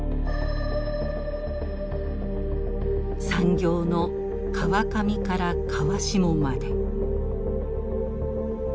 産業の川上から川下まで。